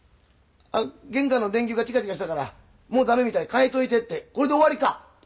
玄関の電球がチカチカしたからもうダメみたい替えといてってこれで終わりか？